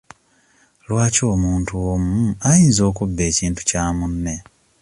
Lwaki omuntu omu ayinza okubba ekintu kya munne?